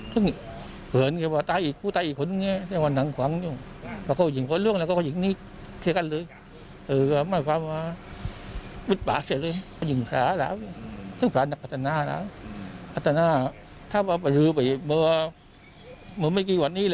เพื่อนก็ว่าตายอีกครูตายอีกคนเนี่ยเสียงว่าหนังขวัง